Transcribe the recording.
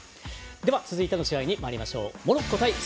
では続いての試合にまいりましょう。